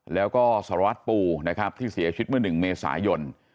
แล้วก็สารวัตรปูนะครับที่เสียชีวิตเมื่อ๑เมษายน